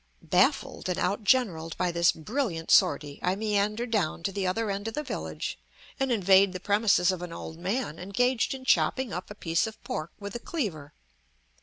Baffled and out generaled by this brilliant sortie, I meander down to the other end of the village and invade the premises of an old man engaged in chopping up a piece of pork with a cleaver.